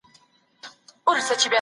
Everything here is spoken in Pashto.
کله به حکومت استازی په رسمي ډول وڅیړي؟